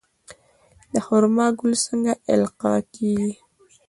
د خرما ګل څنګه القاح کیږي؟